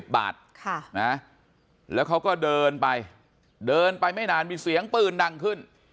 แล้วเขาก็เดินไปเดินไปไม่นานมีเสียงปืนดังขึ้น